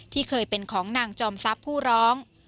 ที่เคยเป็นของนางจอมทรัพย์ผู้ร้อง